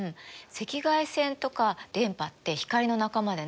赤外線とか電波って光の仲間でね